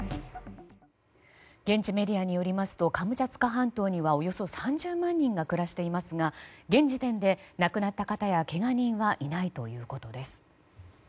現地メディアによりますとカムチャツカ半島にはおよそ３０万人が暮らしていますが現時点で亡くなった方やけが人はいないということです。